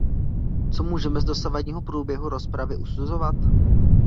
Co můžeme z dosavadního průběhu rozpravy usuzovat?